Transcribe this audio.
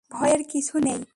ভয়ের কিছু নেই!